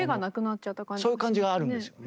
そういう感じがあるんですよね。